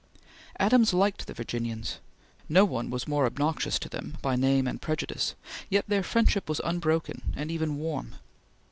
Adams liked the Virginians. No one was more obnoxious to them, by name and prejudice; yet their friendship was unbroken and even warm.